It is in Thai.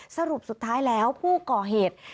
สรุปสุดท้ายแล้วผู้ก่อเหตุ